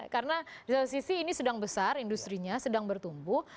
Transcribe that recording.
karena di salah satu sisi ini sedang besar industrinya sedang bertumbuh